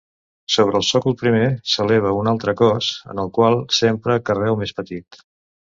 Sobre el sòcol primer, s'eleva un altre cos en el qual s'empra carreu més petit.